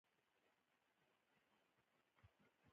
کندهار د افغانستان د ځانګړي جغرافیه استازیتوب کوي.